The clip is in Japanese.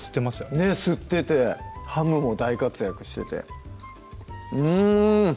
ねっ吸っててハムも大活躍しててうん！